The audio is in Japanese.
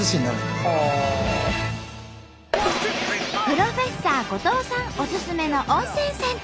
風呂フェッサー後藤さんおすすめの温泉銭湯。